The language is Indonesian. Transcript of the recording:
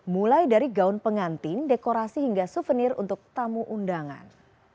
mulai dari gaun pengantin dekorasi hingga souvenir untuk tamu undangan